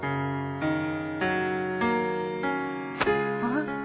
あっ。